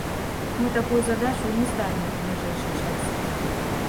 Мы такую задачу і не ставім у бліжэйшы час.